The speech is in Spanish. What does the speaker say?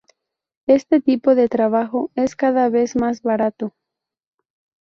Este tipo de trabajo es cada vez más barato.